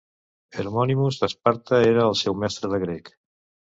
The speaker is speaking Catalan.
Hermonymus d'Esparta era el seu mestre de grec.